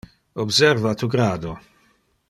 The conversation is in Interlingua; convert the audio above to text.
Observa tu grado!